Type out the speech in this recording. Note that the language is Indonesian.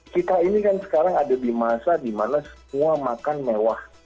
kita ini kan sekarang ada di masa dimana semua makan mewah